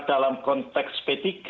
dalam konteks p tiga